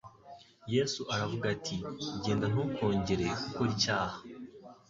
Yesu aravuga ati : "Genda ntukongere gukora icyaha."